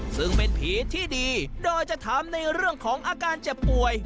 ซึ่งเป็นผีที่ดีโดยจะถามในเรื่องของอาการเจ็บป่วย